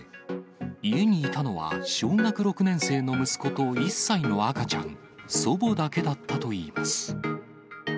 家にいたのは小学６年生の息子と、１歳の赤ちゃん、祖母だけだったといいます。